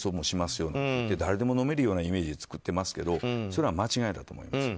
よって誰でも飲めるようなイメージを作ってますけどそれは間違いだと思います。